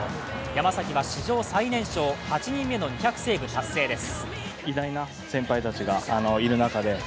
山崎は史上最年少８人目の２００セーブ達成です。